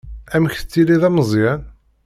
Amek tettiliḍ a Meẓyan?